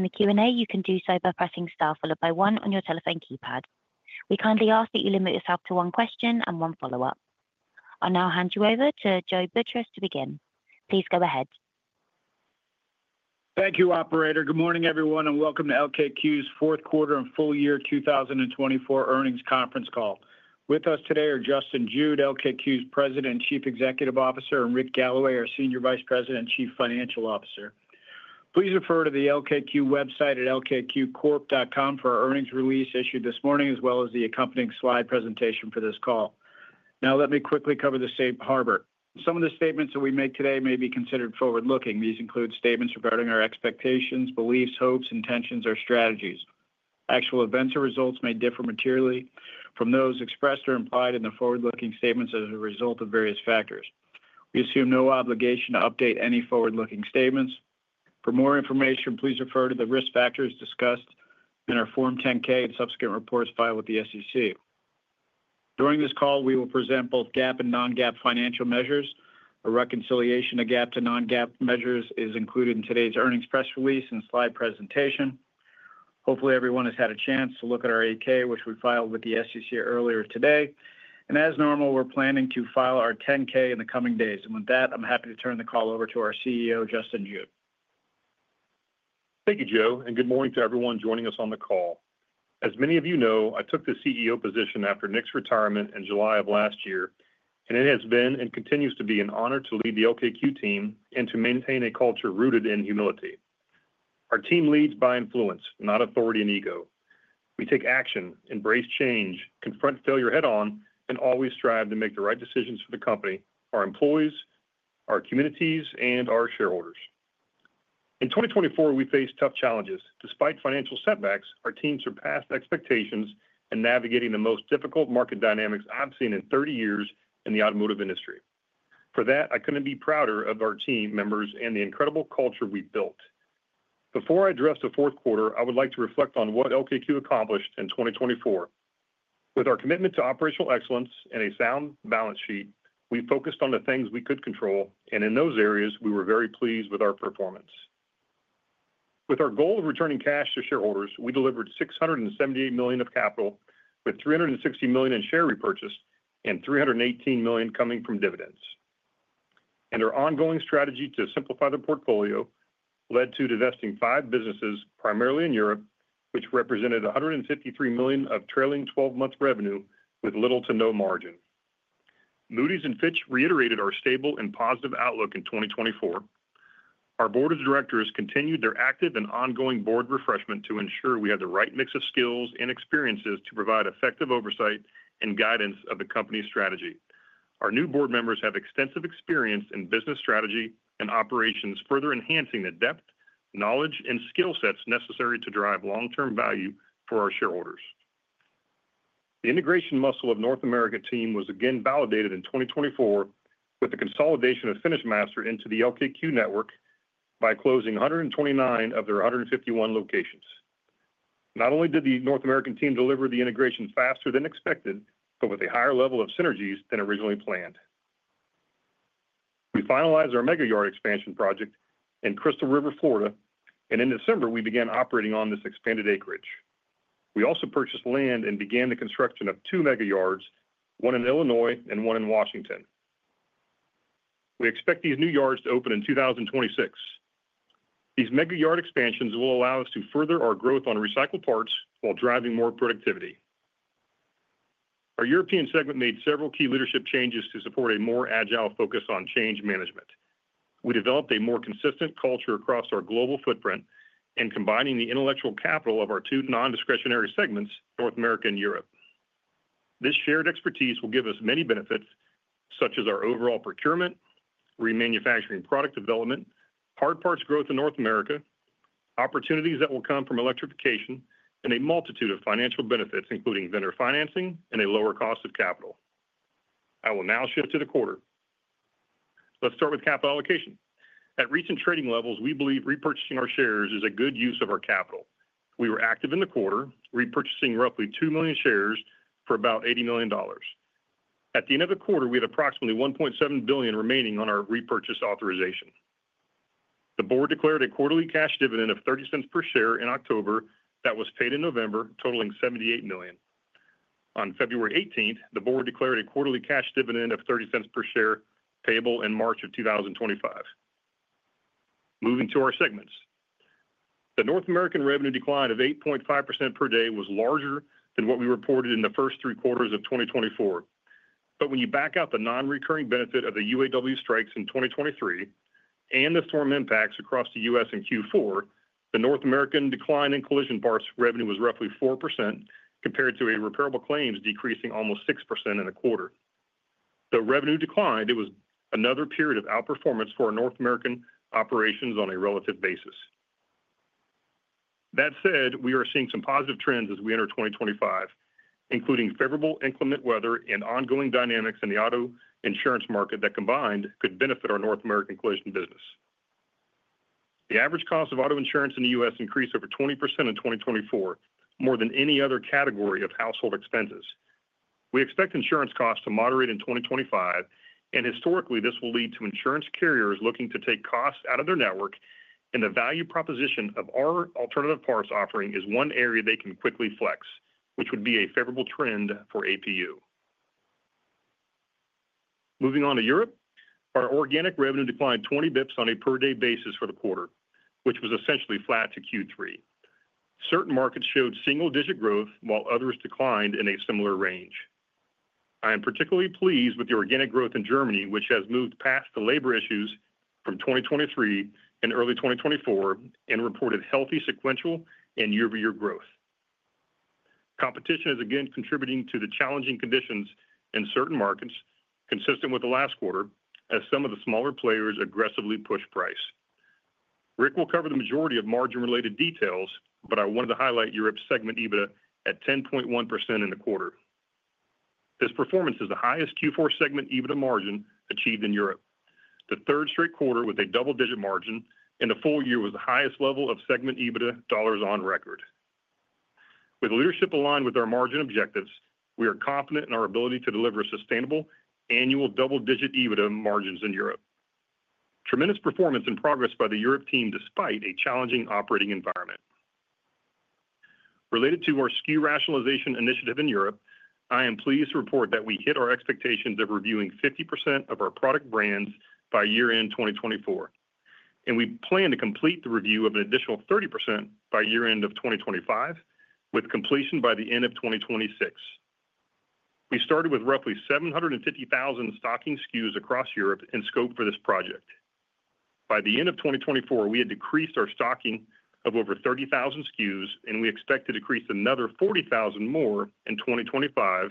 In the Q&A, you can do so by pressing star followed by one on your telephone keypad. We kindly ask that you limit yourself to one question and one follow-up. I'll now hand you over to Joe Boutross to begin. Please go ahead. Thank you, Operator. Good morning, everyone, and welcome to LKQ's fourth quarter and full year 2024 earnings conference call. With us today are Justin Jude, LKQ's President and Chief Executive Officer, and Rick Galloway, our Senior Vice President and Chief Financial Officer. Please refer to the LKQ website at lkqcorp.com for our earnings release issued this morning, as well as the accompanying slide presentation for this call. Now, let me quickly cover the safe harbor. Some of the statements that we make today may be considered forward-looking. These include statements regarding our expectations, beliefs, hopes, intentions, or strategies. Actual events or results may differ materially from those expressed or implied in the forward-looking statements as a result of various factors. We assume no obligation to update any forward-looking statements. For more information, please refer to the risk factors discussed in our Form 10-K and subsequent reports filed with the SEC. During this call, we will present both GAAP and non-GAAP financial measures. A reconciliation of GAAP to non-GAAP measures is included in today's earnings press release and slide presentation. Hopefully, everyone has had a chance to look at our 8-K, which we filed with the SEC earlier today. And as normal, we're planning to file our 10-K in the coming days. And with that, I'm happy to turn the call over to our CEO, Justin Jude. Thank you, Joe, and good morning to everyone joining us on the call. As many of you know, I took the CEO position after Nick's retirement in July of last year, and it has been and continues to be an honor to lead the LKQ team and to maintain a culture rooted in humility. Our team leads by influence, not authority and ego. We take action, embrace change, confront failure head-on, and always strive to make the right decisions for the company, our employees, our communities, and our shareholders. In 2024, we faced tough challenges. Despite financial setbacks, our team surpassed expectations in navigating the most difficult market dynamics I've seen in 30 years in the automotive industry. For that, I couldn't be prouder of our team members and the incredible culture we built. Before I address the fourth quarter, I would like to reflect on what LKQ accomplished in 2024. With our commitment to operational excellence and a sound balance sheet, we focused on the things we could control, and in those areas, we were very pleased with our performance. With our goal of returning cash to shareholders, we delivered $678 million of capital, with $360 million in share repurchase and $318 million coming from dividends. And our ongoing strategy to simplify the portfolio led to divesting five businesses, primarily in Europe, which represented $153 million of trailing 12-month revenue with little to no margin. Moody's and Fitch reiterated our stable and positive outlook in 2024. Our Board of Directors continued their active and ongoing board refreshment to ensure we had the right mix of skills and experiences to provide effective oversight and guidance of the company's strategy. Our new board members have extensive experience in business strategy and operations, further enhancing the depth, knowledge, and skill sets necessary to drive long-term value for our shareholders. The integration muscle of the North America team was again validated in 2024 with the consolidation of FinishMaster into the LKQ network by closing 129 of their 151 locations. Not only did the North American team deliver the integration faster than expected, but with a higher level of synergies than originally planned. We finalized our mega yard expansion project in Crystal River, Florida, and in December, we began operating on this expanded acreage. We also purchased land and began the construction of two mega yards, one in Illinois and one in Washington. We expect these new yards to open in 2026. These mega yard expansions will allow us to further our growth on recycled parts while driving more productivity. Our European segment made several key leadership changes to support a more agile focus on change management. We developed a more consistent culture across our global footprint and combining the intellectual capital of our two non-discretionary segments, North America and Europe. This shared expertise will give us many benefits, such as our overall procurement, remanufacturing product development, hard parts growth in North America, opportunities that will come from electrification, and a multitude of financial benefits, including vendor financing and a lower cost of capital. I will now shift to the quarter. Let's start with capital allocation. At recent trading levels, we believe repurchasing our shares is a good use of our capital. We were active in the quarter, repurchasing roughly 2 million shares for about $80 million. At the end of the quarter, we had approximately $1.7 billion remaining on our repurchase authorization. The board declared a quarterly cash dividend of $0.30 per share in October that was paid in November, totaling $78 million. On February 18, the board declared a quarterly cash dividend of $0.30 per share payable in March of 2025. Moving to our segments. The North American revenue decline of 8.5% per day was larger than what we reported in the first three quarters of 2024. But when you back out the non-recurring benefit of the UAW strikes in 2023 and the storm impacts across the U.S. in Q4, the North American decline in collision parts revenue was roughly 4% compared to a repairable claims decreasing almost 6% in the quarter. Though revenue declined, it was another period of outperformance for North American operations on a relative basis. That said, we are seeing some positive trends as we enter 2025, including favorable inclement weather and ongoing dynamics in the auto insurance market that combined could benefit our North American collision business. The average cost of auto insurance in the U.S. increased over 20% in 2024, more than any other category of household expenses. We expect insurance costs to moderate in 2025, and historically, this will lead to insurance carriers looking to take costs out of their network, and the value proposition of our alternative parts offering is one area they can quickly flex, which would be a favorable trend for APU. Moving on to Europe, our organic revenue declined 20 basis points on a per-day basis for the quarter, which was essentially flat to Q3. Certain markets showed single-digit growth, while others declined in a similar range. I am particularly pleased with the organic growth in Germany, which has moved past the labor issues from 2023 and early 2024 and reported healthy sequential and year-over-year growth. Competition is again contributing to the challenging conditions in certain markets, consistent with the last quarter, as some of the smaller players aggressively push price. Rick will cover the majority of margin-related details, but I wanted to highlight Europe's segment EBITDA at 10.1% in the quarter. This performance is the highest Q4 segment EBITDA margin achieved in Europe, the third straight quarter with a double-digit margin, and the full year was the highest level of segment EBITDA dollars on record. With leadership aligned with our margin objectives, we are confident in our ability to deliver sustainable annual double-digit EBITDA margins in Europe. Tremendous performance and progress by the Europe team despite a challenging operating environment. Related to our SKU rationalization initiative in Europe, I am pleased to report that we hit our expectations of reviewing 50% of our product brands by year-end 2024, and we plan to complete the review of an additional 30% by year-end of 2025, with completion by the end of 2026. We started with roughly 750,000 stocking SKUs across Europe in scope for this project. By the end of 2024, we had decreased our stocking of over 30,000 SKUs, and we expect to decrease another 40,000 more in 2025,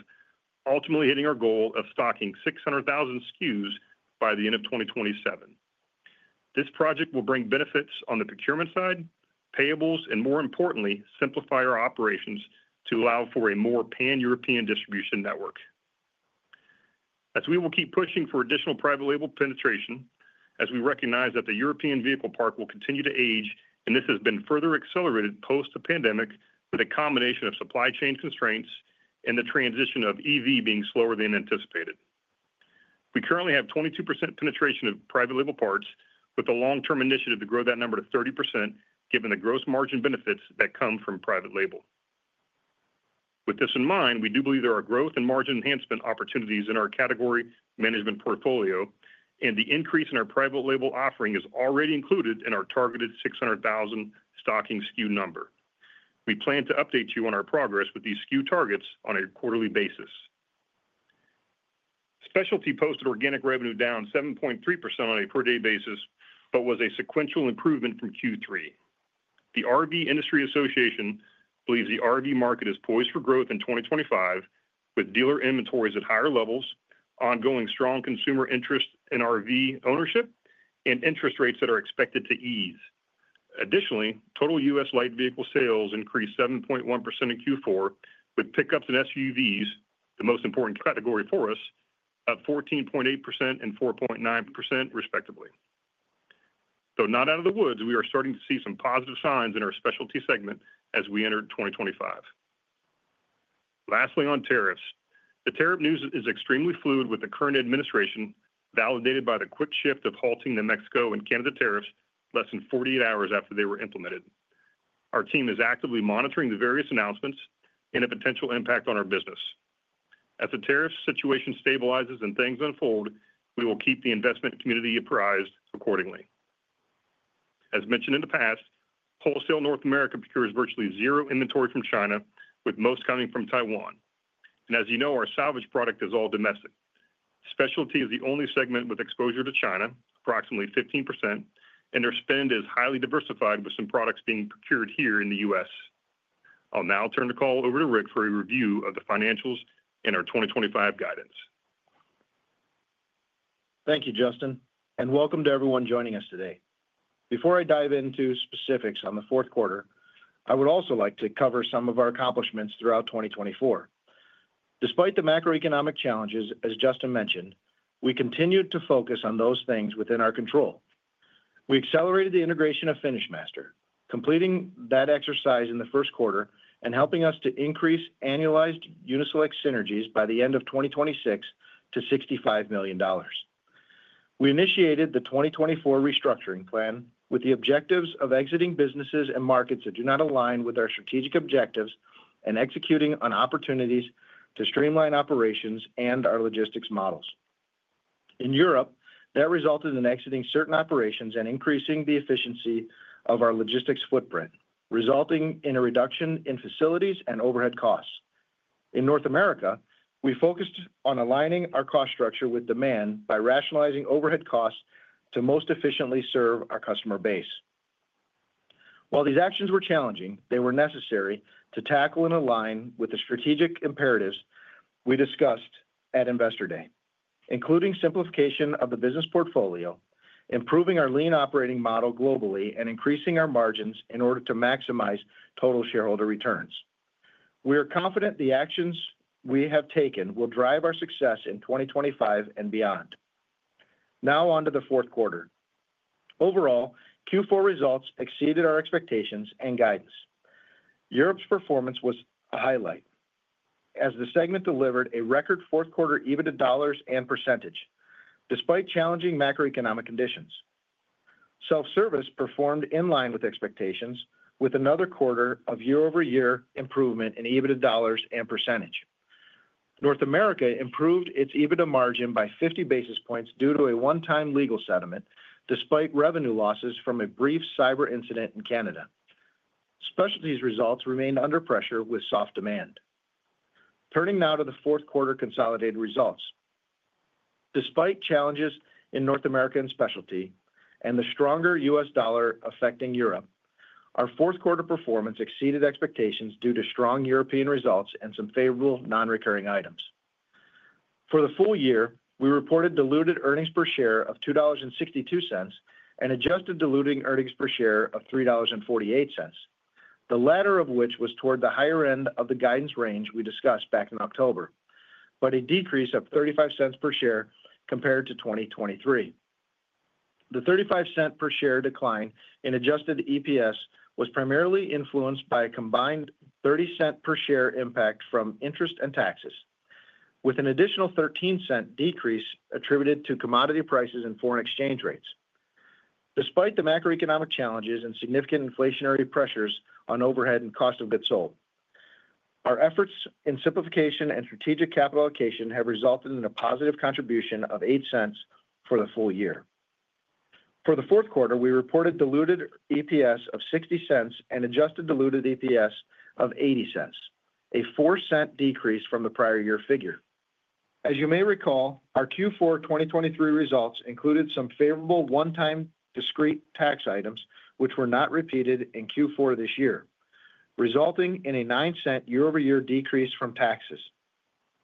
ultimately hitting our goal of stocking 600,000 SKUs by the end of 2027. This project will bring benefits on the procurement side, payables, and more importantly, simplify our operations to allow for a more pan-European distribution network. As we will keep pushing for additional private label penetration, as we recognize that the European vehicle parc will continue to age, and this has been further accelerated post-pandemic with a combination of supply chain constraints and the transition to EV being slower than anticipated. We currently have 22% penetration of private label parts, with a long-term initiative to grow that number to 30%, given the gross margin benefits that come from private label. With this in mind, we do believe there are growth and margin enhancement opportunities in our category management portfolio, and the increase in our private label offering is already included in our targeted 600,000 stocking SKU number. We plan to update you on our progress with these SKU targets on a quarterly basis. Specialty posted organic revenue down 7.3% on a per-day basis but was a sequential improvement from Q3. The RV Industry Association believes the RV market is poised for growth in 2025, with dealer inventories at higher levels, ongoing strong consumer interest in RV ownership, and interest rates that are expected to ease. Additionally, total U.S. light vehicle sales increased 7.1% in Q4, with pickups and SUVs, the most important category for us, up 14.8% and 4.9%, respectively. Though not out of the woods, we are starting to see some positive signs in our specialty segment as we enter 2025. Lastly, on tariffs, the tariff news is extremely fluid with the current administration, validated by the quick shift of halting the Mexico and Canada tariffs less than 48 hours after they were implemented. Our team is actively monitoring the various announcements and a potential impact on our business. As the tariff situation stabilizes and things unfold, we will keep the investment community apprised accordingly. As mentioned in the past, wholesale North America procures virtually zero inventory from China, with most coming from Taiwan. And as you know, our salvage product is all domestic. Specialty is the only segment with exposure to China, approximately 15%, and our spend is highly diversified, with some products being procured here in the U.S. I'll now turn the call over to Rick for a review of the financials and our 2025 guidance. Thank you, Justin, and welcome to everyone joining us today. Before I dive into specifics on the fourth quarter, I would also like to cover some of our accomplishments throughout 2024. Despite the macroeconomic challenges, as Justin mentioned, we continued to focus on those things within our control. We accelerated the integration of FinishMaster, completing that exercise in the first quarter and helping us to increase annualized Uni-Select synergies by the end of 2026 to $65 million. We initiated the 2024 restructuring plan with the objectives of exiting businesses and markets that do not align with our strategic objectives and executing on opportunities to streamline operations and our logistics models. In Europe, that resulted in exiting certain operations and increasing the efficiency of our logistics footprint, resulting in a reduction in facilities and overhead costs. In North America, we focused on aligning our cost structure with demand by rationalizing overhead costs to most efficiently serve our customer base. While these actions were challenging, they were necessary to tackle and align with the strategic imperatives we discussed at Investor Day, including simplification of the business portfolio, improving our lean operating model globally, and increasing our margins in order to maximize total shareholder returns. We are confident the actions we have taken will drive our success in 2025 and beyond. Now on to the fourth quarter. Overall, Q4 results exceeded our expectations and guidance. Europe's performance was a highlight, as the segment delivered a record fourth quarter EBITDA dollars and percentage, despite challenging macroeconomic conditions. Self-service performed in line with expectations, with another quarter of year-over-year improvement in EBITDA dollars and percentage. North America improved its EBITDA margin by 50 basis points due to a one-time legal settlement, despite revenue losses from a brief cyber incident in Canada. Specialty's results remained under pressure with soft demand. Turning now to the fourth quarter consolidated results. Despite challenges in North American specialty and the stronger U.S. dollar affecting Europe, our fourth quarter performance exceeded expectations due to strong European results and some favorable non-recurring items. For the full year, we reported diluted earnings per share of $2.62 and adjusted diluted earnings per share of $3.48, the latter of which was toward the higher end of the guidance range we discussed back in October, but a decrease of $0.35 per share compared to 2023. The $0.35 per share decline in adjusted EPS was primarily influenced by a combined $0.30 per share impact from interest and taxes, with an additional $0.13 decrease attributed to commodity prices and foreign exchange rates. Despite the macroeconomic challenges and significant inflationary pressures on overhead and cost of goods sold, our efforts in simplification and strategic capital allocation have resulted in a positive contribution of $0.08 for the full year. For the fourth quarter, we reported diluted EPS of $0.60 and adjusted diluted EPS of $0.80, a $0.04 decrease from the prior year figure. As you may recall, our Q4 2023 results included some favorable one-time discrete tax items, which were not repeated in Q4 this year, resulting in a $0.09 year-over-year decrease from taxes.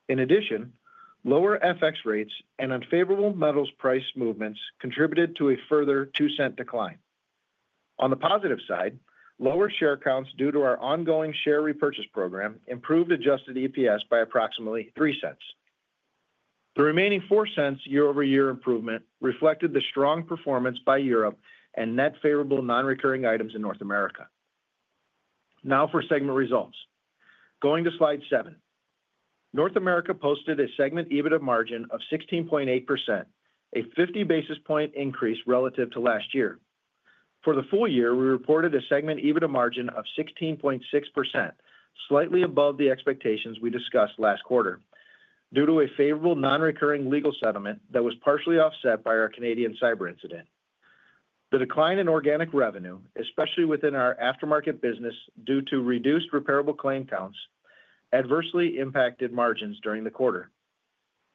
In addition, lower FX rates and unfavorable metals price movements contributed to a further $0.02 decline. On the positive side, lower share counts due to our ongoing share repurchase program improved adjusted EPS by approximately $0.03. The remaining $0.04 year-over-year improvement reflected the strong performance by Europe and net favorable non-recurring items in North America. Now for segment results. Going to slide seven, North America posted a segment EBITDA margin of 16.8%, a 50 basis point increase relative to last year. For the full year, we reported a segment EBITDA margin of 16.6%, slightly above the expectations we discussed last quarter due to a favorable non-recurring legal settlement that was partially offset by our Canadian cyber incident. The decline in organic revenue, especially within our aftermarket business due to reduced repairable claim counts, adversely impacted margins during the quarter.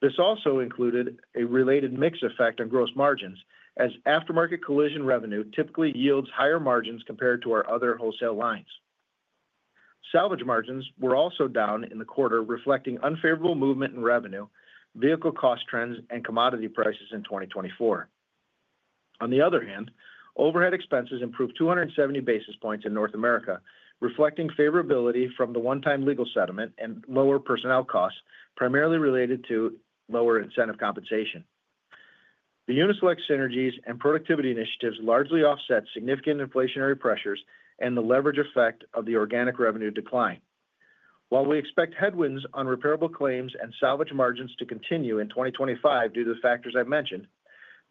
This also included a related mixed effect on gross margins, as aftermarket collision revenue typically yields higher margins compared to our other wholesale lines. Salvage margins were also down in the quarter, reflecting unfavorable movement in revenue, vehicle cost trends, and commodity prices in 2024. On the other hand, overhead expenses improved 270 basis points in North America, reflecting favorability from the one-time legal settlement and lower personnel costs, primarily related to lower incentive compensation. The Uni-Select synergies and productivity initiatives largely offset significant inflationary pressures and the leverage effect of the organic revenue decline. While we expect headwinds on repairable claims and salvage margins to continue in 2025 due to the factors I've mentioned,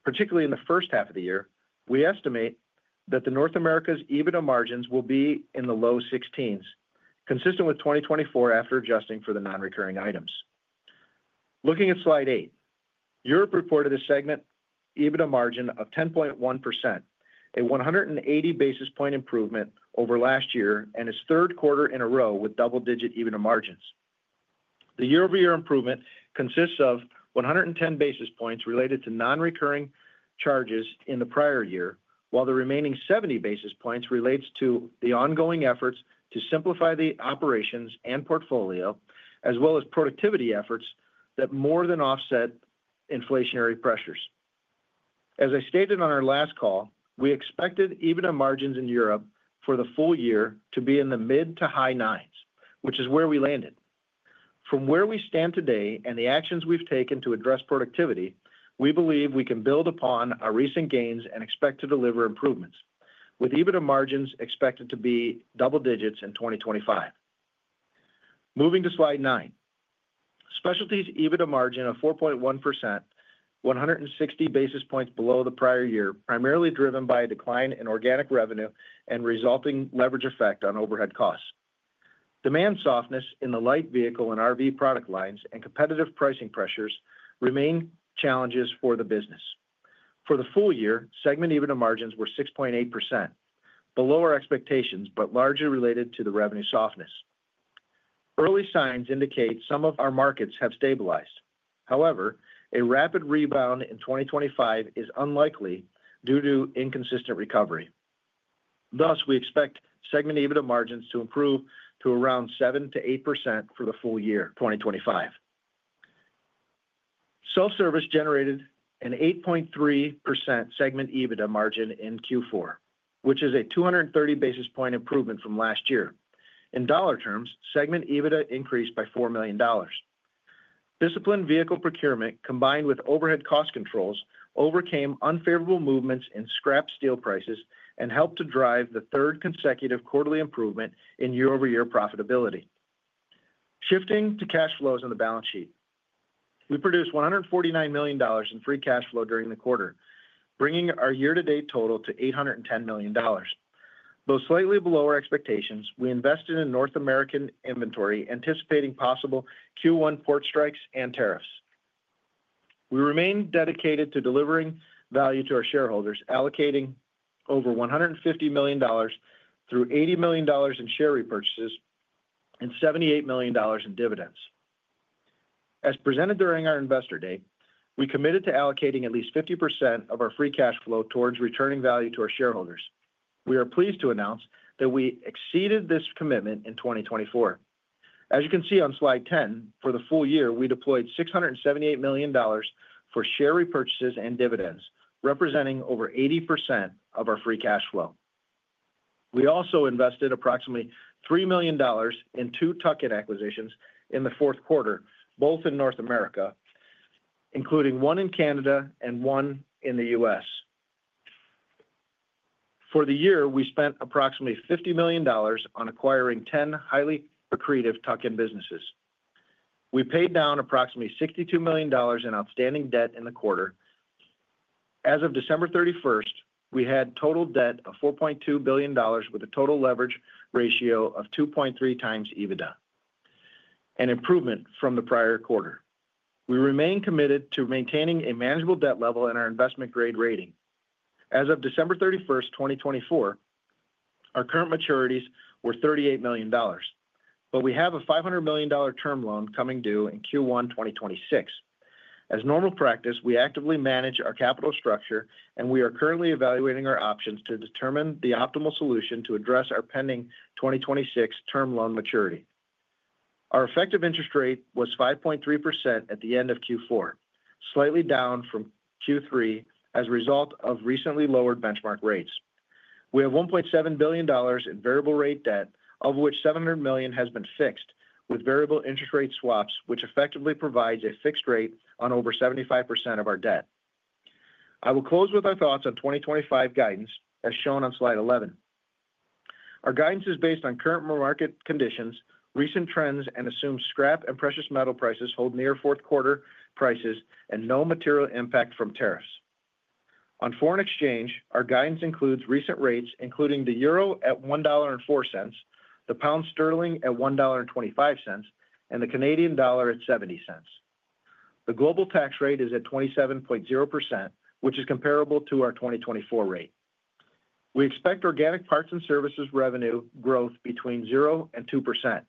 particularly in the first half of the year, we estimate that North America's EBITDA margins will be in the low 16s, consistent with 2024 after adjusting for the non-recurring items. Looking at slide eight, Europe reported a segment EBITDA margin of 10.1%, a 180 basis point improvement over last year and its third quarter in a row with double-digit EBITDA margins. The year-over-year improvement consists of 110 basis points related to non-recurring charges in the prior year, while the remaining 70 basis points relates to the ongoing efforts to simplify the operations and portfolio, as well as productivity efforts that more than offset inflationary pressures. As I stated on our last call, we expected EBITDA margins in Europe for the full year to be in the mid to high nines, which is where we landed. From where we stand today and the actions we've taken to address productivity, we believe we can build upon our recent gains and expect to deliver improvements, with EBITDA margins expected to be double digits in 2025. Moving to slide nine, specialty's EBITDA margin of 4.1%, 160 basis points below the prior year, primarily driven by a decline in organic revenue and resulting leverage effect on overhead costs. Demand softness in the light vehicle and RV product lines and competitive pricing pressures remain challenges for the business. For the full year, segment EBITDA margins were 6.8%, below our expectations, but largely related to the revenue softness. Early signs indicate some of our markets have stabilized. However, a rapid rebound in 2025 is unlikely due to inconsistent recovery. Thus, we expect segment EBITDA margins to improve to around 7%-8% for the full year 2025. Self-service generated an 8.3% segment EBITDA margin in Q4, which is a 230 basis point improvement from last year. In dollar terms, segment EBITDA increased by $4 million. Disciplined vehicle procurement, combined with overhead cost controls, overcame unfavorable movements in scrap steel prices and helped to drive the third consecutive quarterly improvement in year-over-year profitability. Shifting to cash flows on the balance sheet, we produced $149 million in free cash flow during the quarter, bringing our year-to-date total to $810 million. Though slightly below our expectations, we invested in North American inventory, anticipating possible Q1 port strikes and tariffs. We remain dedicated to delivering value to our shareholders, allocating over $150 million through $80 million in share repurchases and $78 million in dividends. As presented during our Investor Day, we committed to allocating at least 50% of our free cash flow towards returning value to our shareholders. We are pleased to announce that we exceeded this commitment in 2024. As you can see on Slide 10, for the full year, we deployed $678 million for share repurchases and dividends, representing over 80% of our free cash flow. We also invested approximately $3 million in two tuck-in acquisitions in the fourth quarter, both in North America, including one in Canada and one in the U.S. For the year, we spent approximately $50 million on acquiring 10 highly accretive tuck-in businesses. We paid down approximately $62 million in outstanding debt in the quarter. As of December 31st, we had total debt of $4.2 billion, with a total leverage ratio of 2.3 times EBITDA, an improvement from the prior quarter. We remain committed to maintaining a manageable debt level in our investment-grade rating. As of December 31st, 2024, our current maturities were $38 million, but we have a $500 million term loan coming due in Q1 2026. As normal practice, we actively manage our capital structure, and we are currently evaluating our options to determine the optimal solution to address our pending 2026 term loan maturity. Our effective interest rate was 5.3% at the end of Q4, slightly down from Q3 as a result of recently lowered benchmark rates. We have $1.7 billion in variable rate debt, of which $700 million has been fixed with variable interest rate swaps, which effectively provides a fixed rate on over 75% of our debt. I will close with our thoughts on 2025 guidance, as shown on slide 11. Our guidance is based on current market conditions, recent trends, and assumes scrap and precious metal prices hold near fourth quarter prices and no material impact from tariffs. On foreign exchange, our guidance includes recent rates, including the euro at $1.04, the pound sterling at $1.25, and the Canadian dollar at $0.70. The global tax rate is at 27.0%, which is comparable to our 2024 rate. We expect organic parts and services revenue growth between 0% and 2%.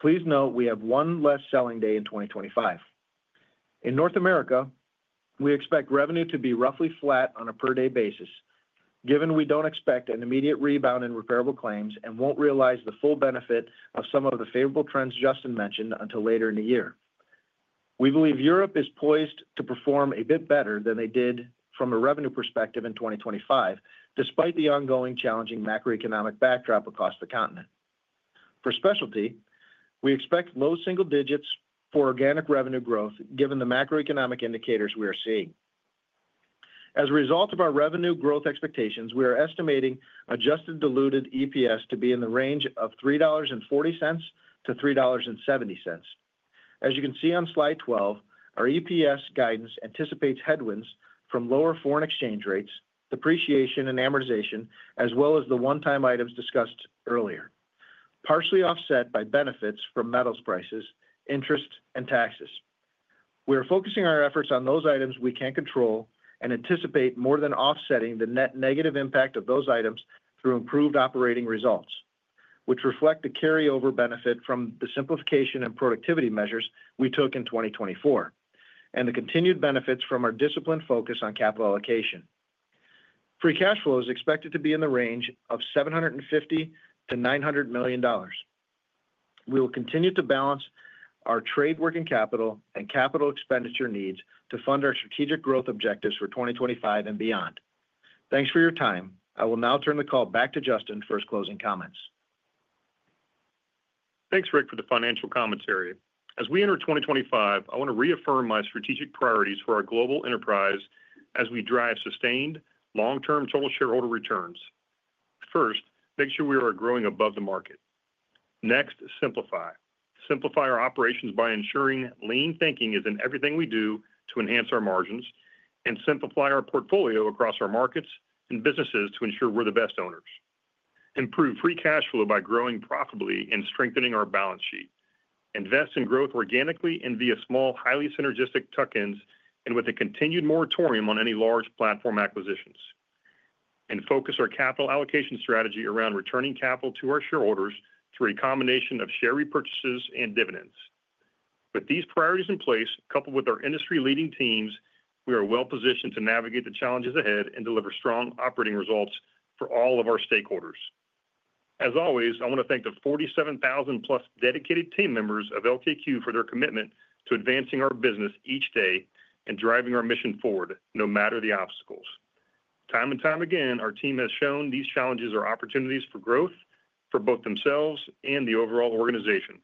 Please note we have one less selling day in 2025. In North America, we expect revenue to be roughly flat on a per-day basis, given we don't expect an immediate rebound in repairable claims and won't realize the full benefit of some of the favorable trends Justin mentioned until later in the year. We believe Europe is poised to perform a bit better than they did from a revenue perspective in 2025, despite the ongoing challenging macroeconomic backdrop across the continent. For specialty, we expect low single digits for organic revenue growth, given the macroeconomic indicators we are seeing. As a result of our revenue growth expectations, we are estimating adjusted diluted EPS to be in the range of $3.40 to $3.70. As you can see on slide 12, our EPS guidance anticipates headwinds from lower foreign exchange rates, depreciation, and amortization, as well as the one-time items discussed earlier, partially offset by benefits from metals prices, interest, and taxes. We are focusing our efforts on those items we can control and anticipate more than offsetting the net negative impact of those items through improved operating results, which reflect the carryover benefit from the simplification and productivity measures we took in 2024, and the continued benefits from our disciplined focus on capital allocation. Free cash flow is expected to be in the range of $750-$900 million. We will continue to balance our trade working capital and capital expenditure needs to fund our strategic growth objectives for 2025 and beyond. Thanks for your time. I will now turn the call back to Justin for his closing comments. Thanks, Rick, for the financial commentary. As we enter 2025, I want to reaffirm my strategic priorities for our global enterprise as we drive sustained long-term total shareholder returns. First, make sure we are growing above the market. Next, simplify. Simplify our operations by ensuring lean thinking is in everything we do to enhance our margins and simplify our portfolio across our markets and businesses to ensure we're the best owners. Improve free cash flow by growing profitably and strengthening our balance sheet. Invest in growth organically and via small, highly synergistic tuck-ins and with a continued moratorium on any large platform acquisitions. And focus our capital allocation strategy around returning capital to our shareholders through a combination of share repurchases and dividends. With these priorities in place, coupled with our industry-leading teams, we are well-positioned to navigate the challenges ahead and deliver strong operating results for all of our stakeholders. As always, I want to thank the 47,000-plus dedicated team members of LKQ for their commitment to advancing our business each day and driving our mission forward, no matter the obstacles. Time and time again, our team has shown these challenges are opportunities for growth for both themselves and the overall organization.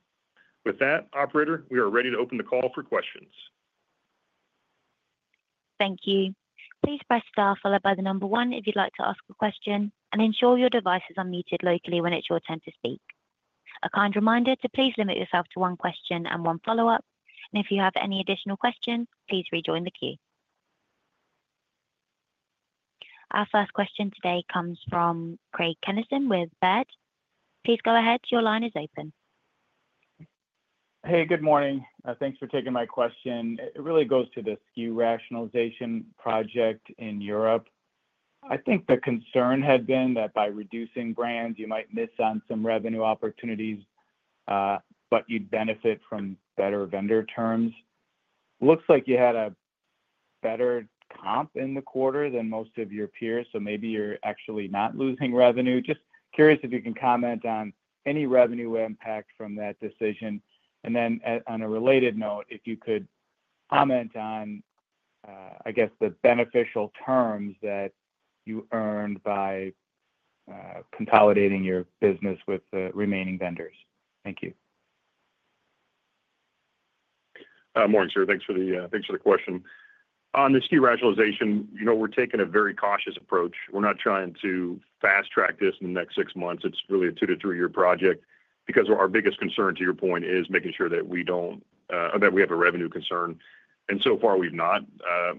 With that, Operator, we are ready to open the call for questions. Thank you. Please press star followed by the number one if you'd like to ask a question, and ensure your device is unmuted locally when it's your turn to speak. A kind reminder to please limit yourself to one question and one follow-up. And if you have any additional questions, please rejoin the queue. Our first question today comes from Craig Kennison with Baird. Please go ahead. Your line is open. Hey, good morning. Thanks for taking my question. It really goes to the SKU rationalization project in Europe. I think the concern had been that by reducing brands, you might miss on some revenue opportunities, but you'd benefit from better vendor terms. Looks like you had a better comp in the quarter than most of your peers, so maybe you're actually not losing revenue. Just curious if you can comment on any revenue impact from that decision. And then on a related note, if you could comment on, I guess, the beneficial terms that you earned by consolidating your business with the remaining vendors. Thank you. Morning, sir. Thanks for the question. On the SKU rationalization, we're taking a very cautious approach. We're not trying to fast-track this in the next six months. It's really a two- to three-year project because our biggest concern, to your point, is making sure that we don't or that we have a revenue concern, and so far, we've not.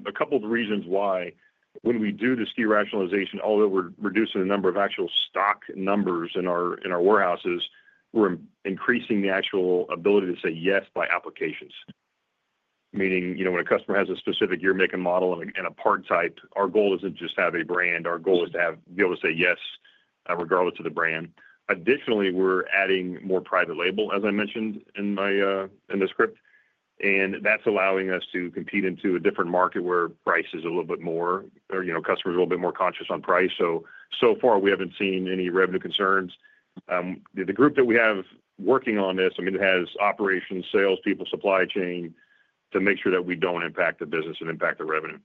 A couple of reasons why. When we do the SKU rationalization, although we're reducing the number of actual stock numbers in our warehouses, we're increasing the actual ability to say yes by applications. Meaning when a customer has a specific year, make, and model and a part type, our goal isn't just to have a brand. Our goal is to be able to say yes regardless of the brand. Additionally, we're adding more private label, as I mentioned in the script, and that's allowing us to compete into a different market where price is a little bit more or customers are a little bit more conscious on price. So far, we haven't seen any revenue concerns. The group that we have working on this, I mean, it has operations, salespeople, supply chain to make sure that we don't impact the business and impact the revenue.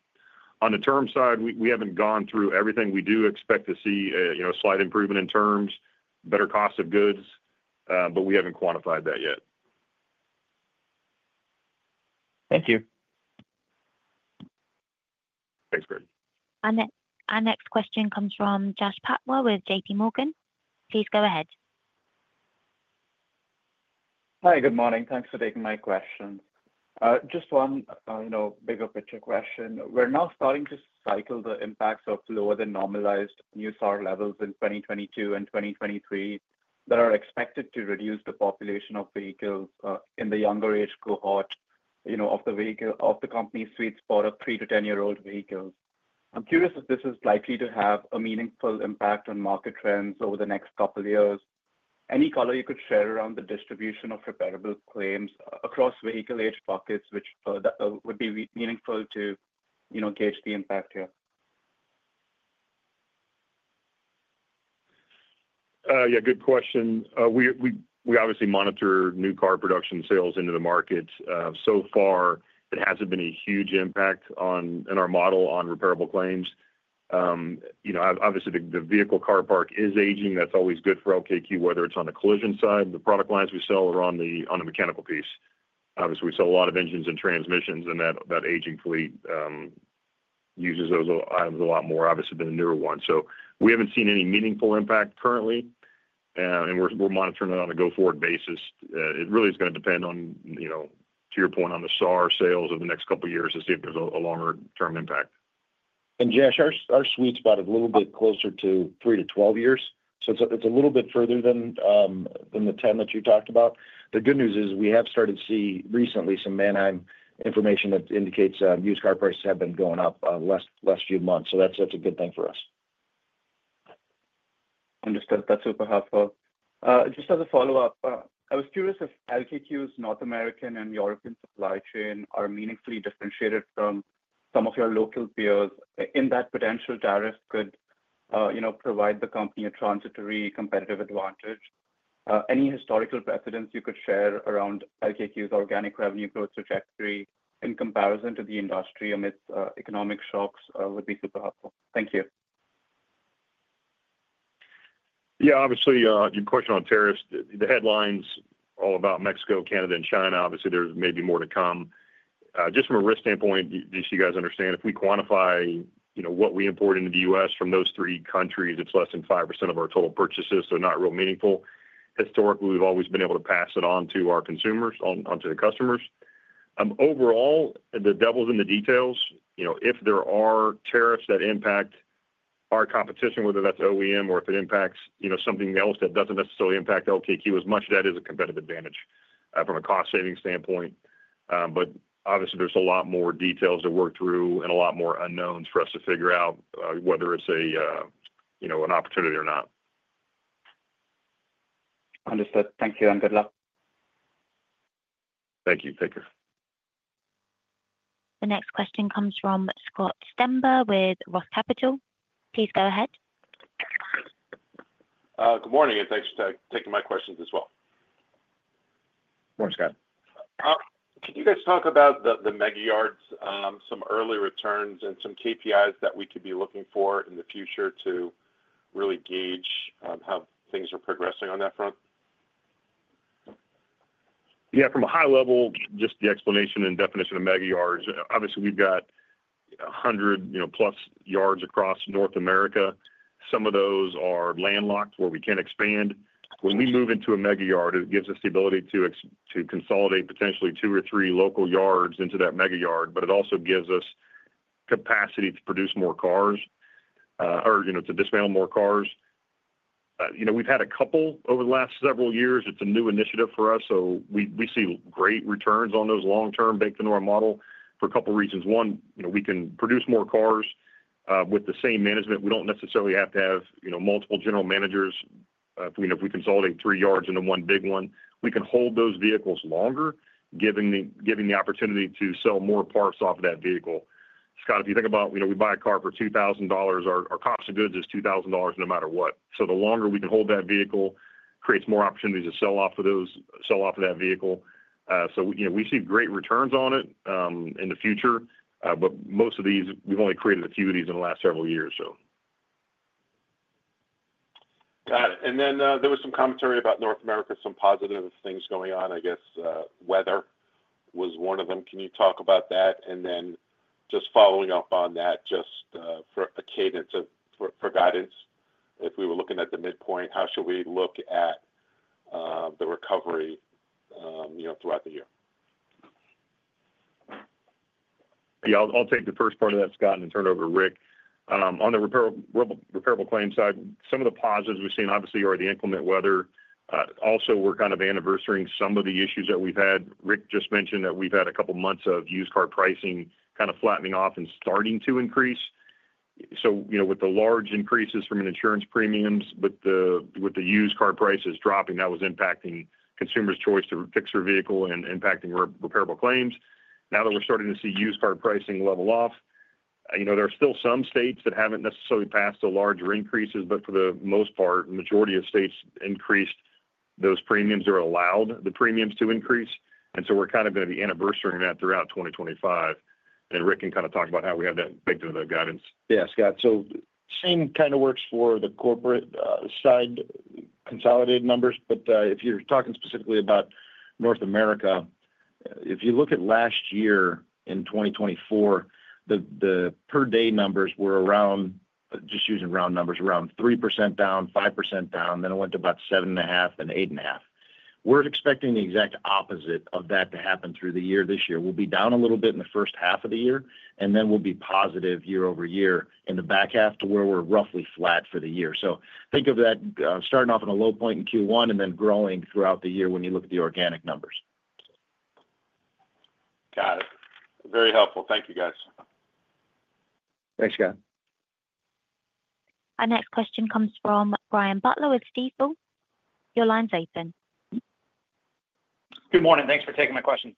On the term side, we haven't gone through everything. We do expect to see a slight improvement in terms, better cost of goods, but we haven't quantified that yet. Thank you. Thanks, Craig. Our next question comes from Jash Patwa with J.P. Morgan. Please go ahead. Hi, good morning. Thanks for taking my question. Just one bigger picture question. We're now starting to cycle the impacts of lower than normalized new SAAR levels in 2022 and 2023 that are expected to reduce the population of vehicles in the younger age cohort of the vehicle of the company's sweet spot of three to ten-year-old vehicles. I'm curious if this is likely to have a meaningful impact on market trends over the next couple of years. Any color you could share around the distribution of repairable claims across vehicle age buckets, which would be meaningful to gauge the impact here? Yeah, good question. We obviously monitor new car production sales into the market. So far, it hasn't been a huge impact in our model on repairable claims. Obviously, the vehicle car park is aging. That's always good for LKQ, whether it's on the collision side, the product lines we sell, or on the mechanical piece. Obviously, we sell a lot of engines and transmissions, and that aging fleet uses those items a lot more, obviously, than the newer ones. So we haven't seen any meaningful impact currently, and we're monitoring it on a go-forward basis. It really is going to depend on, to your point, on the SAAR sales over the next couple of years to see if there's a longer-term impact. And, Jash, our sweet spot is a little bit closer to three to twelve years. So it's a little bit further than the ten that you talked about. The good news is we have started to see recently some Manheim information that indicates used car prices have been going up the last few months. So that's a good thing for us. Understood. That's super helpful. Just as a follow-up, I was curious if LKQ's North American and European supply chain are meaningfully differentiated from some of your local peers in that potential tariff could provide the company a transitory competitive advantage. Any historical precedents you could share around LKQ's organic revenue growth trajectory in comparison to the industry amidst economic shocks would be super helpful. Thank you. Yeah, obviously, your question on tariffs, the headlines all about Mexico, Canada, and China, obviously, there's maybe more to come. Just from a risk standpoint, do you see, you guys understand if we quantify what we import into the U.S. from those three countries, it's less than 5% of our total purchases, so not real meaningful. Historically, we've always been able to pass it on to our consumers, onto the customers. Overall, the devil's in the details. If there are tariffs that impact our competition, whether that's OEM or if it impacts something else that doesn't necessarily impact LKQ as much, that is a competitive advantage from a cost-saving standpoint. But obviously, there's a lot more details to work through and a lot more unknowns for us to figure out whether it's an opportunity or not. Understood. Thank you and good luck. Thank you. Take care. The next question comes from Scott Stember with ROTH Capital. Please go ahead. Good morning, and thanks for taking my questions as well. Morning, Scott. Can you guys talk about the mega yards, some early returns, and some KPIs that we could be looking for in the future to really gauge how things are progressing on that front? Yeah, from a high level, just the explanation and definition of mega yards. Obviously, we've got 100-plus yards across North America. Some of those are landlocked where we can't expand. When we move into a mega yard, it gives us the ability to consolidate potentially two or three local yards into that mega yard, but it also gives us capacity to produce more cars or to dismantle more cars. We've had a couple over the last several years. It's a new initiative for us, so we see great returns on those long-term baked into our model for a couple of reasons. One, we can produce more cars with the same management. We don't necessarily have to have multiple general managers. If we consolidate three yards into one big one, we can hold those vehicles longer, giving the opportunity to sell more parts off of that vehicle. Scott, if you think about it, we buy a car for $2,000. Our cost of goods is $2,000 no matter what. So the longer we can hold that vehicle creates more opportunities to sell off of that vehicle. So we see great returns on it in the future, but most of these, we've only created a few of these in the last several years, so. Got it. And then there was some commentary about North America, some positive things going on. I guess weather was one of them. Can you talk about that? And then just following up on that, just for cadence for guidance, if we were looking at the midpoint, how should we look at the recovery throughout the year? Yeah, I'll take the first part of that, Scott, and turn it over to Rick. On the repairable claims side, some of the positives we've seen, obviously, are the inclement weather. Also, we're kind of anniversarying some of the issues that we've had. Rick just mentioned that we've had a couple of months of used car pricing kind of flattening off and starting to increase. So with the large increases from insurance premiums, with the used car prices dropping, that was impacting consumers' choice to fix their vehicle and impacting repairable claims. Now that we're starting to see used car pricing level off, there are still some states that haven't necessarily passed the larger increases, but for the most part, the majority of states increased those premiums or allowed the premiums to increase. And so we're kind of going to be anniversarying that throughout 2025. And Rick can kind of talk about how we have that baked into the guidance. Yeah, Scott. So, same kind of works for the corporate-side consolidated numbers, but if you're talking specifically about North America, if you look at last year in 2024, the per-day numbers were around, just using round numbers, around 3% down, 5% down, then it went to about 7.5 and 8.5. We're expecting the exact opposite of that to happen through the year. This year, we'll be down a little bit in the first half of the year, and then we'll be positive year over year in the back half to where we're roughly flat for the year. So think of that starting off at a low point in Q1 and then growing throughout the year when you look at the organic numbers. Got it. Very helpful. Thank you, guys. Thanks, Scott. Our next question comes from Brian Butler with Stifel. Your line's open. Good morning. Thanks for taking my questions.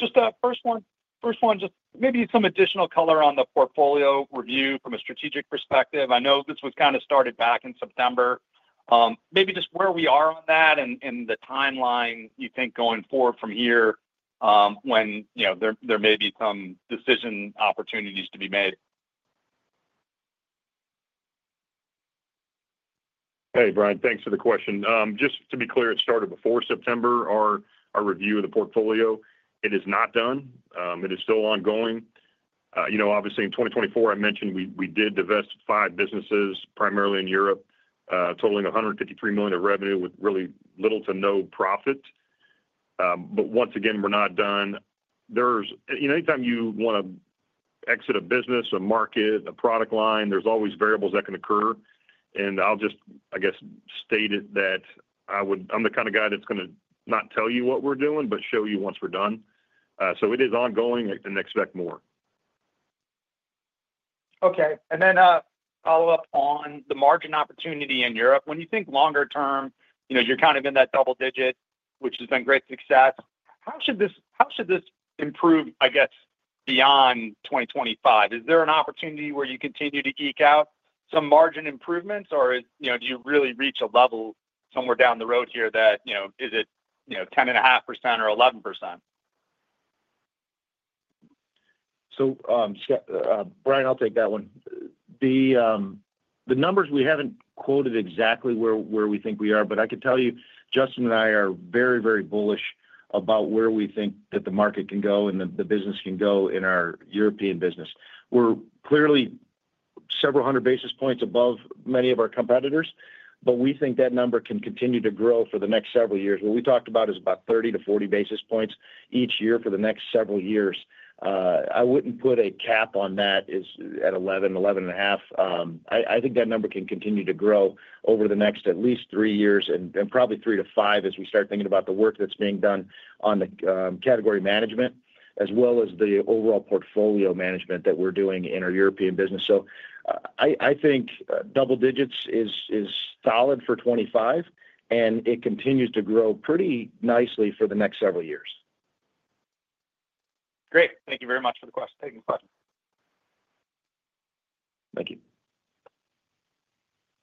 Just first one, just maybe some additional color on the portfolio review from a strategic perspective. I know this was kind of started back in September. Maybe just where we are on that and the timeline you think going forward from here when there may be some decision opportunities to be made. Hey, Brian, thanks for the question. Just to be clear, it started before September, our review of the portfolio. It is not done. It is still ongoing. Obviously, in 2024, I mentioned we did divest five businesses primarily in Europe, totaling $153 million of revenue with really little to no profit. But once again, we're not done. Anytime you want to exit a business, a market, a product line, there's always variables that can occur. I'll just, I guess, state it that I'm the kind of guy that's going to not tell you what we're doing, but show you once we're done. So it is ongoing and expect more. Okay. And then follow-up on the margin opportunity in Europe. When you think longer term, you're kind of in that double digit, which has been great success. How should this improve, I guess, beyond 2025? Is there an opportunity where you continue to eke out some margin improvements, or do you really reach a level somewhere down the road here that is it 10.5% or 11%? So, Brian, I'll take that one. The numbers, we haven't quoted exactly where we think we are, but I can tell you Justin and I are very, very bullish about where we think that the market can go and the business can go in our European business. We're clearly several hundred basis points above many of our competitors, but we think that number can continue to grow for the next several years. What we talked about is about 30-40 basis points each year for the next several years. I wouldn't put a cap on that at 11, 11.5. I think that number can continue to grow over the next at least three years and probably three to five as we start thinking about the work that's being done on the category management as well as the overall portfolio management that we're doing in our European business. So, I think double digits is solid for 25, and it continues to grow pretty nicely for the next several years. Great. Thank you very much. Thank you.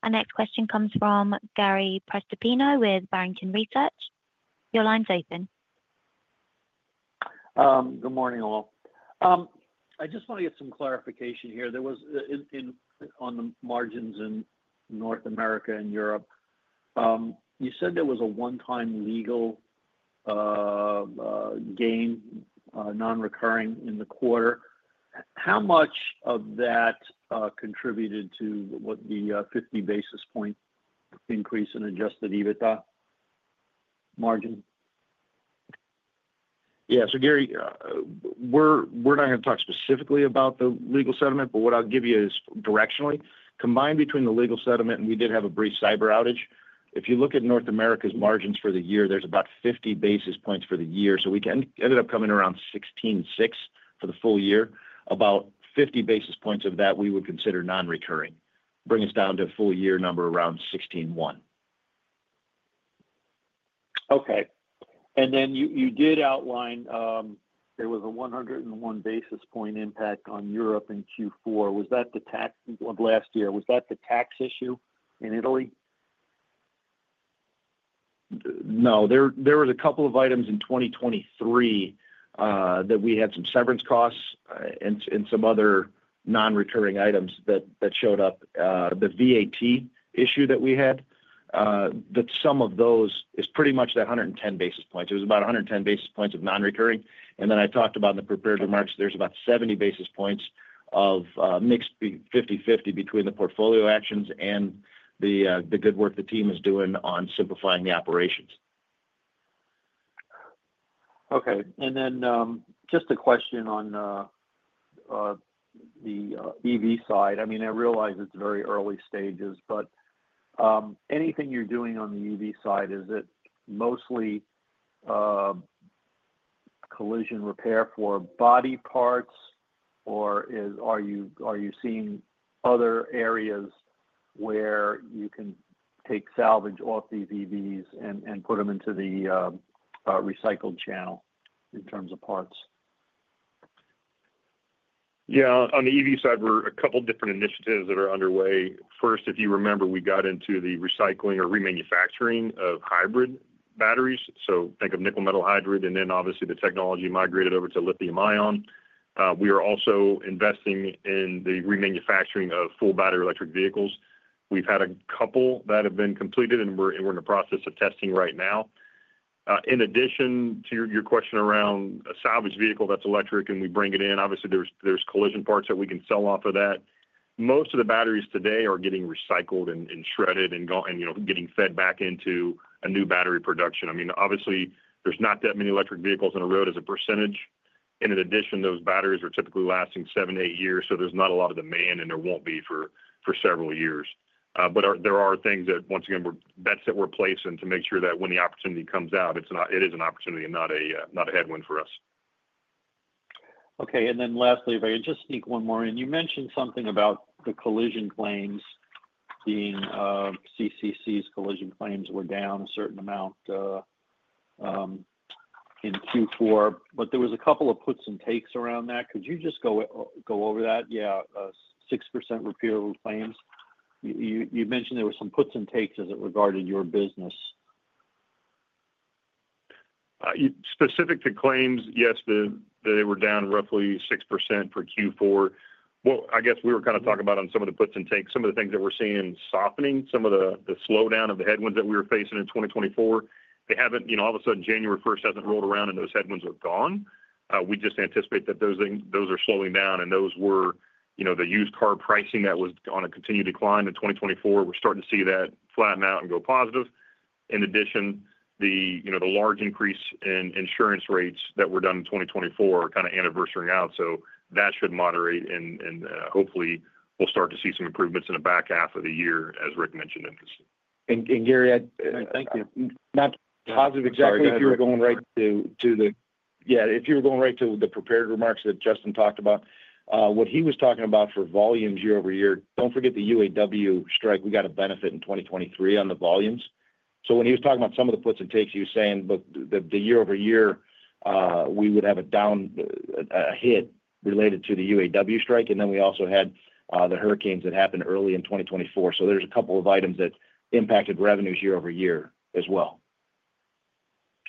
Our next question comes from Gary Prestopino with Barrington Research. Your line's open. Good morning, all. I just want to get some clarification here. There was, on the margins in North America and Europe, you said there was a one-time legal gain, non-recurring in the quarter. How much of that contributed to the 50 basis point increase in adjusted EBITDA margin? Yeah. So, Gary, we're not going to talk specifically about the legal settlement, but what I'll give you is directionally. Combined between the legal settlement and we did have a brief cyber outage, if you look at North America's margins for the year, there's about 50 basis points for the year. So we ended up coming around 16.6 for the full year. About 50 basis points of that we would consider non-recurring, bringing us down to a full year number around 16.1. Okay. And then you did outline there was a 101 basis point impact on Europe in Q4. Was that the tax of last year? Was that the tax issue in Italy? No. There were a couple of items in 2023 that we had some severance costs and some other non-recurring items that showed up. The VAT issue that we had, some of those is pretty much that 110 basis points. It was about 110 basis points of non-recurring. And then I talked about in the prepared remarks, there's about 70 basis points of mixed 50/50 between the portfolio actions and the good work the team is doing on simplifying the operations. Okay. And then just a question on the EV side. I mean, I realize it's very early stages, but anything you're doing on the EV side, is it mostly collision repair for body parts, or are you seeing other areas where you can take salvage off these EVs and put them into the recycled channel in terms of parts? Yeah. On the EV side, there are a couple of different initiatives that are underway. First, if you remember, we got into the recycling or remanufacturing of hybrid batteries. So think of nickel-metal hydride, and then obviously the technology migrated over to lithium-ion. We are also investing in the remanufacturing of full battery electric vehicles. We've had a couple that have been completed, and we're in the process of testing right now. In addition to your question around a salvage vehicle that's electric and we bring it in, obviously there's collision parts that we can sell off of that. Most of the batteries today are getting recycled and shredded and getting fed back into a new battery production. I mean, obviously, there's not that many electric vehicles on the road as a percentage. And in addition, those batteries are typically lasting seven, eight years, so there's not a lot of demand, and there won't be for several years. But there are things that, once again, we're bets that we're placing to make sure that when the opportunity comes out, it is an opportunity and not a headwind for us. Okay. And then lastly, if I could just ask one more, and you mentioned something about the collision claims being CCC's collision claims were down a certain amount in Q4, but there was a couple of puts and takes around that. Could you just go over that? Yeah. 6% decline of claims. You mentioned there were some puts and takes as it regarded your business. Specific to claims, yes, they were down roughly 6% for Q4. Well, I guess we were kind of talking about on some of the puts and takes, some of the things that we're seeing softening, some of the slowdown of the headwinds that we were facing in 2024. They haven't all of a sudden. January 1st hasn't rolled around, and those headwinds are gone. We just anticipate that those are slowing down, and those were the used car pricing that was on a continued decline in 2024. We're starting to see that flatten out and go positive. In addition, the large increase in insurance rates that were done in 2024 are kind of anniversarying out, so that should moderate, and hopefully, we'll start to see some improvements in the back half of the year, as Rick mentioned. And Gary, I thank you. Not positive exactly if you were going right to the prepared remarks that Justin talked about, what he was talking about for volumes year over year. Don't forget the UAW strike. We got a benefit in 2023 on the volumes. So when he was talking about some of the puts and takes, he was saying the year over year, we would have a hit related to the UAW strike, and then we also had the hurricanes that happened early in 2024. So there's a couple of items that impacted revenues year over year as well.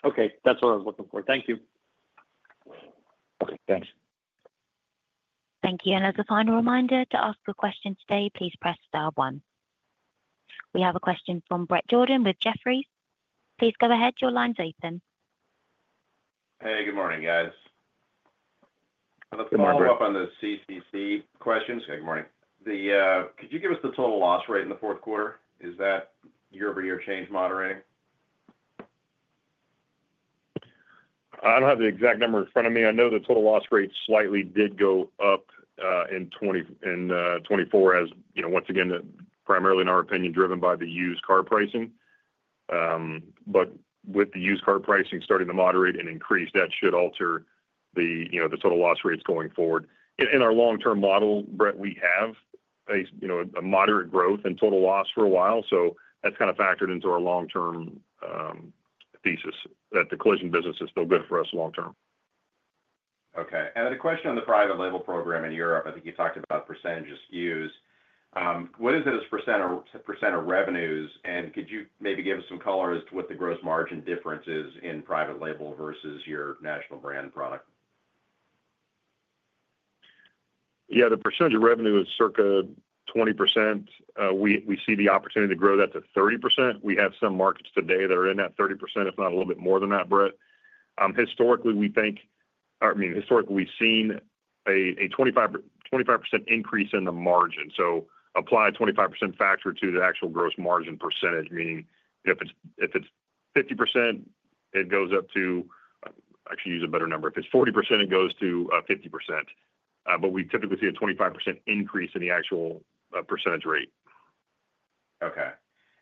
Okay. That's what I was looking for. Thank you. Okay. Thanks. Thank you. And as a final reminder to ask a question today, please press star one. We have a question from Bret Jordan with Jefferies. Please go ahead. Your line's open. Hey, good morning, guys. I'm going to go up on the CCC questions. Okay, good morning. Could you give us the total loss rate in the fourth quarter? Is that year-over-year change moderating? I don't have the exact number in front of me. I know the total loss rate slightly did go up in 2024, as once again, primarily, in our opinion, driven by the used car pricing. But with the used car pricing starting to moderate and increase, that should alter the total loss rates going forward. In our long-term model, Bret, we have a moderate growth in total loss for a while, so that's kind of factored into our long-term thesis that the collision business is still good for us long-term. Okay. And then a question on the private label program in Europe. I think you talked about percentages used. What is it as % of revenues, and could you maybe give us some color as to what the gross margin difference is in private label versus your national brand product? Yeah. The percentage of revenue is circa 20%. We see the opportunity to grow that to 30%. We have some markets today that are in that 30%, if not a little bit more than that, Bret. Historically, we think I mean, historically, we've seen a 25% increase in the margin. So apply a 25% factor to the actual gross margin percentage, meaning if it's 50%, it goes up to actually use a better number. If it's 40%, it goes to 50%. But we typically see a 25% increase in the actual percentage rate. Okay.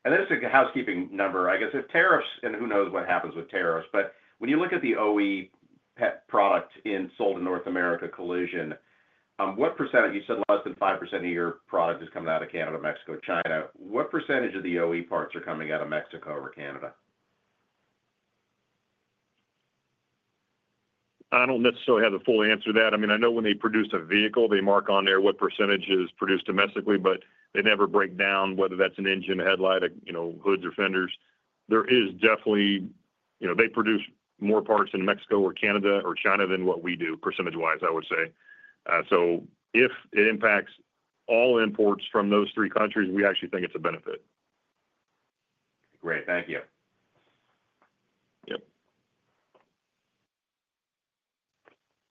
And this is a housekeeping number. I guess if tariffs and who knows what happens with tariffs, but when you look at the OE product installed in North America collision, what percentage—you said less than 5% of your product is coming out of Canada, Mexico, China. What percentage of the OE parts are coming out of Mexico or Canada? I don't necessarily have the full answer to that. I mean, I know when they produce a vehicle, they mark on there what percentage is produced domestically, but they never break down whether that's an engine, headlight, hoods, or fenders. They definitely produce more parts in Mexico or Canada or China than what we do, percentage-wise, I would say. So if it impacts all imports from those three countries, we actually think it's a benefit. Great. Thank you. Yep.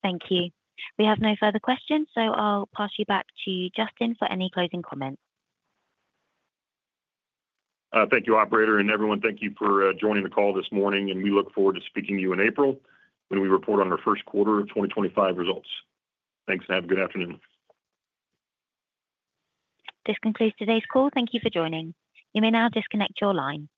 Thank you. We have no further questions, so I'll pass you back to Justin for any closing comments. Thank you, operator, and everyone, thank you for joining the call this morning, and we look forward to speaking to you in April when we report on our first quarter of 2025 results. Thanks, and have a good afternoon. This concludes today's call. Thank you for joining. You may now disconnect your line.